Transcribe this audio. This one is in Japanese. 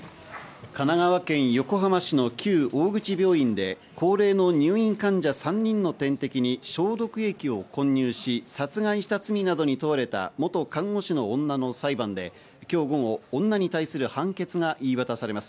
神奈川県横浜市の旧大口病院で高齢の入院患者３人の点滴に消毒液を混入し、殺害した罪などに問われた元看護師の女の裁判で今日午後、女に対する判決が言い渡されます。